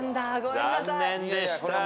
残念でした。